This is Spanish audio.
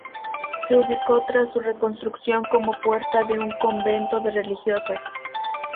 Se ubicó tras su reconstrucción como puerta de un convento de religiosas.